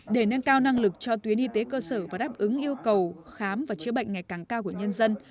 để nâng cao năng lực cho tuyến y tế cơ sở và đáp ứng yêu cầu khám và chữa bệnh ngày càng cao của nhân dân